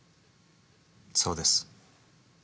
そうです。